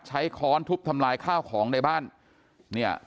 ค้อนทุบทำลายข้าวของในบ้านเนี่ย